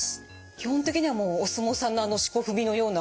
基本的にはもうお相撲さんのあのしこ踏みのような。